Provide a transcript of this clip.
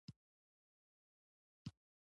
پښې یې په اوبو کې ننباسلې وې